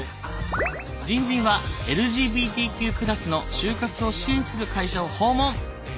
じんじんはＬＧＢＴＱ＋の就活を支援する会社を訪問！